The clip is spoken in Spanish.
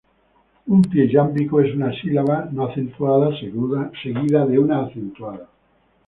Un pie yámbico es una sílaba no acentuada seguida de una acentuada.